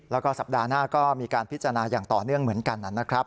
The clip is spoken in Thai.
แล้วก็สัปดาห์หน้าก็มีการพิจารณาอย่างต่อเนื่องเหมือนกันนะครับ